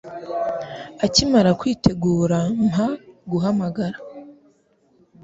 Akimara kwitegura, mpa guhamagara.